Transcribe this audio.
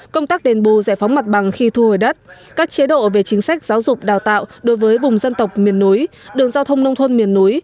công tác đền bù giải phóng mặt bằng khi thu hồi đất các chế độ về chính sách giáo dục đào tạo đối với vùng dân tộc miền núi đường giao thông nông thôn miền núi